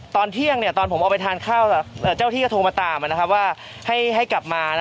ตอนเที่ยงตอนผมออกไปทานข้าวเจ้าที่ก็โทรมาตามว่าให้กลับมา